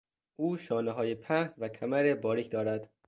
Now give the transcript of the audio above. او شانههای پهن و کمر باریک دارد.